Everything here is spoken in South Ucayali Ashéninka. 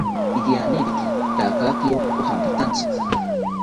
Irianeriki rakakiro ojampitaantzi